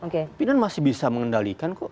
pimpinan masih bisa mengendalikan kok